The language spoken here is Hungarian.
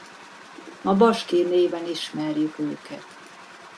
Ma baskír néven ismerjük őket.